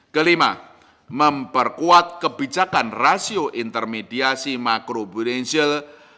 kelima memperkuat kebijakan rasio intermediasi makro bunisial